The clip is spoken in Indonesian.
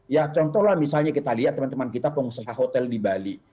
ya contohlah misalnya kita lihat teman teman kita pengusaha hotel di bali